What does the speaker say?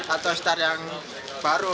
atau star yang baru